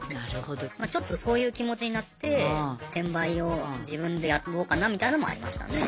まちょっとそういう気持ちになって転売を自分でやろうかなみたいのもありましたね。